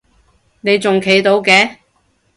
你仲企到嘅？